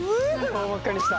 顔真っ赤にした？